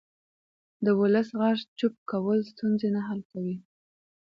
د ولس غږ چوپ کول ستونزې نه حل کوي